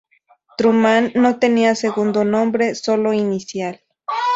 Truman no tenía segundo nombre, sólo inicial.